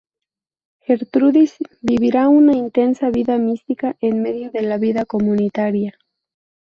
Gertrudis vivirá una intensa vida mística en medio de la vida comunitaria.